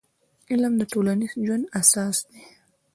علم د سوله ییز ژوند اساس دی.